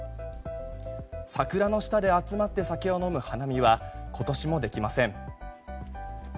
桜の下で集まって酒を飲む花見は今年もできません。